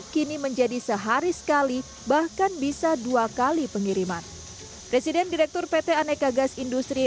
kini menjadi sehari sekali bahkan bisa dua kali pengiriman presiden direktur pt aneka gas industri